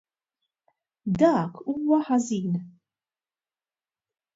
Dak huwa ħażin.